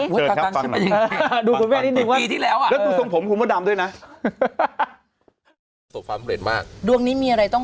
ไหวทีแล้วผมไปทำด้วยนะตัวค้ำเสียมากดวงนี้มีอะไรต้อง